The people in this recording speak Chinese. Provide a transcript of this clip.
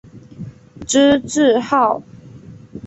知制诰。